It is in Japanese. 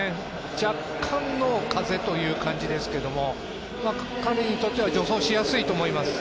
若干の風という感じですけれども彼にとっては助走しやすいと思います。